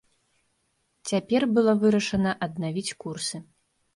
Цяпер было вырашана аднавіць курсы.